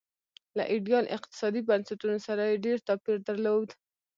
له ایډیال اقتصادي بنسټونو سره یې ډېر توپیر درلود.